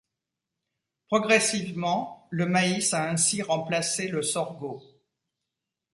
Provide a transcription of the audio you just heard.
Progressivement, le maïs a ainsi remplacé le sorgho.